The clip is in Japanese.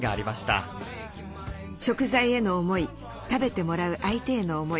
食材への思い食べてもらう相手への思い